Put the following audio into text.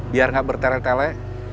biar nggak bertele tele